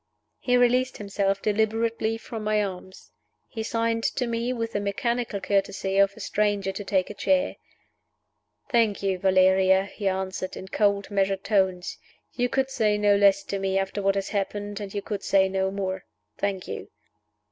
He released himself deliberately from my arms. He signed to me with the mechanical courtesy of a stranger to take a chair. "Thank you, Valeria," he answered, in cold, measured tones. "You could say no less to me, after what has happened; and you could say no more. Thank you."